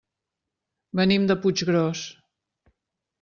Venim de Puiggròs.